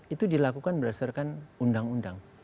itu dilakukan berdasarkan undang undang